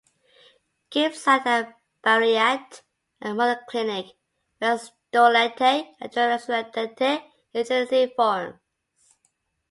Gibbsite and bayerite are monoclinic, whereas doyleite and nordstrandite are triclinic forms.